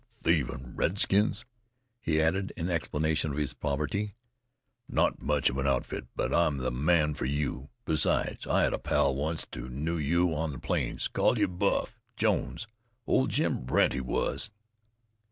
"Thievin' redskins," he added, in explanation of his poverty. "Not much of an outfit. But I'm the man for you. Besides, I had a pal onct who knew you on the plains, called you 'Buff' Jones. Old Jim Bent he was."